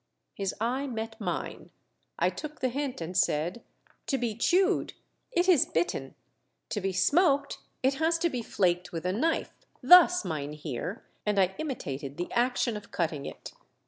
^" His eye met mine ; I took the hint, and said :" To be chewed, it is bitten ; to be smoked, it has to be flaked with a knife — thus, mynheer." And I imitated the action of cutting it.